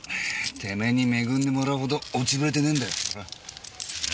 テメェに恵んでもらうほど落ちぶれてねえんだよ。